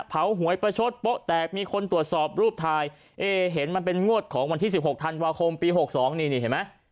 หวยประชดโป๊ะแตกมีคนตรวจสอบรูปถ่ายเอ๊เห็นมันเป็นงวดของวันที่๑๖ธันวาคมปี๖๒นี่นี่เห็นไหม